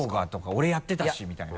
「俺やってたし」みたいな。